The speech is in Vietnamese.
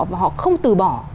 và họ không từ bỏ